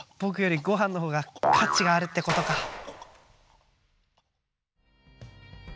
ぼくよりごはんのほうが価値があるってことか。